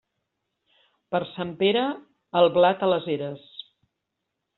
Per Sant Pere, el blat a les eres.